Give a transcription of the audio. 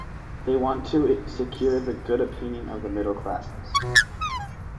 They want to secure the good opinion of the middle classes.